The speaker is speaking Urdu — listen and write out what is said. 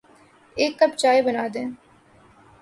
ایک کپ چائے بنادیں